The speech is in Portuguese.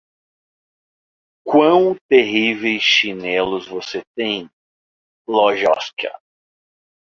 Quão terríveis chinelos você tem, Lojzka!